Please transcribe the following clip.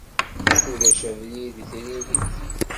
Ulac abrid i tririt.